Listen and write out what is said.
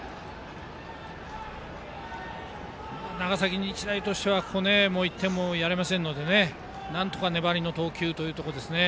長崎日大としてはもう１点もやれませんのでなんとか粘りの投球というところですね。